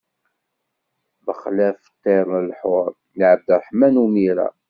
Bexlaf ṭṭir lḥur, d Ɛebderreḥman Umira.